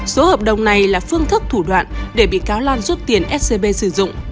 số hợp đồng này là phương thức thủ đoạn để bị cáo lan rút tiền scb sử dụng